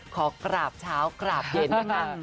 ขอกราบเช้ากราบเย็นนะคะ